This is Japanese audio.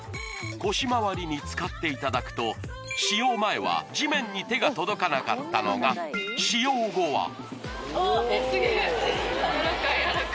腰まわりに使っていただくと使用前は地面に手が届かなかったのが使用後は・えっすげえやらかいやらか